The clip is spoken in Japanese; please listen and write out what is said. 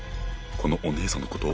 このお姉さんのこと？